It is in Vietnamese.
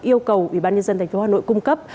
yêu cầu ủy ban nhân dân tp hà nội cung cấp